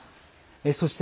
そして、